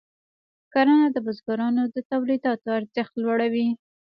کرنه د بزګرانو د تولیداتو ارزښت لوړوي.